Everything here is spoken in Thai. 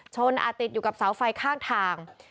ติดอยู่กับเสาไฟข้างทาง